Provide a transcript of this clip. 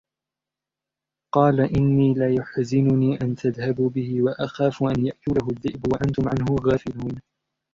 قَالَ إِنِّي لَيَحْزُنُنِي أَنْ تَذْهَبُوا بِهِ وَأَخَافُ أَنْ يَأْكُلَهُ الذِّئْبُ وَأَنْتُمْ عَنْهُ غَافِلُونَ